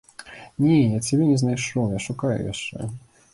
Не, я цябе не знайшоў, я шукаю яшчэ.